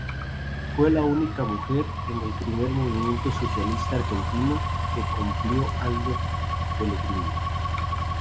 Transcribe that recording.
Fue la única mujer en el primer movimiento surrealista argentino que compiló Aldo Pellegrini.